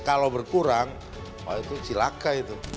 kalau berkurang oh itu cilaka itu